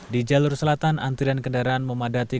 di jalur selatan antrian kendaraan memandati gerbang